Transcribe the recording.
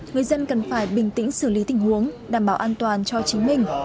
người dân cần phải bình tĩnh xử lý tình huống đảm bảo an toàn cho chính mình